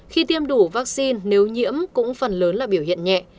khi tiêm đủ vaccine nếu nhiễm cũng phần lớn là biểu hiện nhẹ